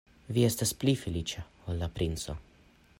Vi estas pli feliĉa ol la princo.